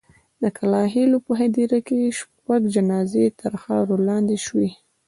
د کلا خېلو په هدیره کې شپږ جنازې تر خاورو لاندې شوې.